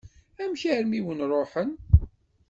Amek armi i wen-ṛuḥen?